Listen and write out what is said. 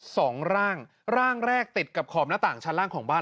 สองร่างร่างแรกติดกับขอบหน้าต่างชั้นล่างของบ้าน